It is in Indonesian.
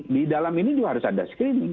di dalam ini juga harus ada screening